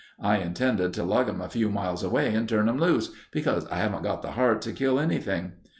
I intended to lug 'em a few miles away and turn 'em loose, because I haven't got the heart to kill anything.